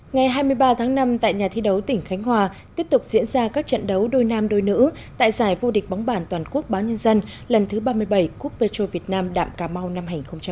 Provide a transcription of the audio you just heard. ngày hai mươi ba tháng năm tại nhà thi đấu tỉnh khánh hòa tiếp tục diễn ra các trận đấu đôi nam đôi nữ tại giải vô địch bóng bản toàn quốc báo nhân dân lần thứ ba mươi bảy cup petro việt nam đạm cà mau năm hai nghìn một mươi chín